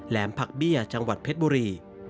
แหมผักเบี้ยจังหวัดเพชรบุรี